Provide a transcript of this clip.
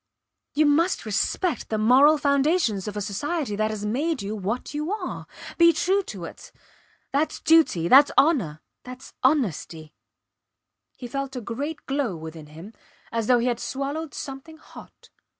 You must respect the moral foundations of a society that has made you what you are. Be true to it. Thats duty thats honour thats honesty. He felt a great glow within him, as though he had swallowed something hot.